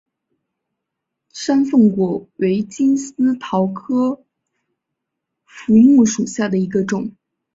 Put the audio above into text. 山凤果为金丝桃科福木属下的一个种。